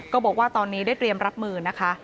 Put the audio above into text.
บอกว่าตอนนี้ได้เตรียมรับมือนะคะ